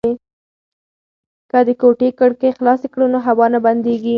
که د کوټې کړکۍ خلاصې کړو نو هوا نه بندیږي.